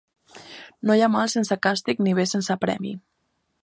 No hi ha mal sense càstig ni bé sense premi.